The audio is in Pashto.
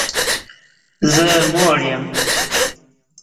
زه موړ یم